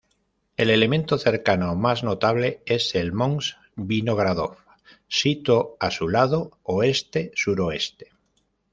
El elemento cercano más notable es el Mons Vinogradov sito a su lado oeste-suroeste.